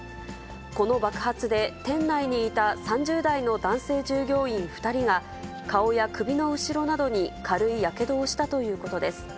この爆発で、店内にいた３０代の男性従業員２人が、顔や首の後ろなどに軽いやけどをしたということです。